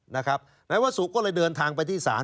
นายวะสุกก็ละเดินทางไปที่สาร